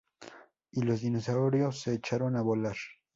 Y los dinosaurios se echaron a volar.